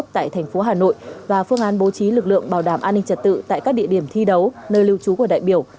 tại thành phố hà nội và phương án bố trí lực lượng bảo đảm an ninh trật tự tại các địa điểm thi đấu nơi lưu trú của đại biểu